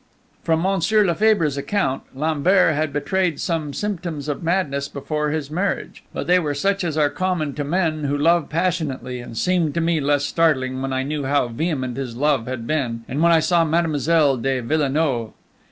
From Monsieur Lefebvre's account, Lambert had betrayed some symptoms of madness before his marriage; but they were such as are common to men who love passionately, and seemed to me less startling when I knew how vehement his love had been and when I saw Mademoiselle de Villenoix.